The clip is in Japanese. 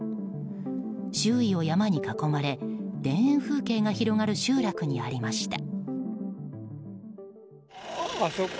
周囲を山に囲まれ、田園風景が広がる集落にありました。